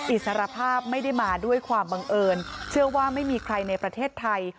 อิสรภาพไม่ได้มาด้วยความบังเอิญเชื่อว่าไม่มีใครในประเทศไทย